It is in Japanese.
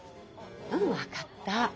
うん分かった。